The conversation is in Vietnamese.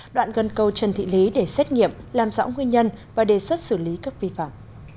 đoạn gần cầu trần thị lý để xét nghiệm làm rõ nguyên nhân và đề xuất xử lý các vi phạm